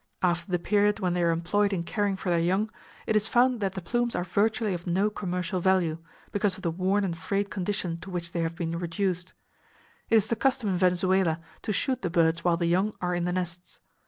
After the period when they are employed in caring for their young, it is found that the plumes are virtually of no commercial value, because of the worn and frayed condition to which they have been reduced. It is the custom in Venezuela to shoot the birds while the young are in the nests.